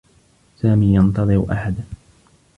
سامي ينتظر أحدا.